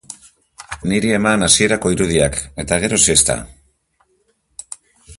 Niri eman hasierako irudiak, eta gero, siesta.